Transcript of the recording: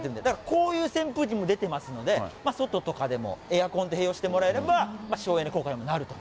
こういう扇風機も出てますので、外とかでも、エアコンと併用してもらえれば、省エネ効果になると。